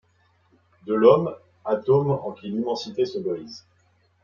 De l’homme, atome en qui l’immensité se brise ;